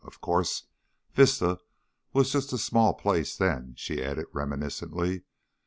Of course, Vista was just a small place then," she added reminiscently.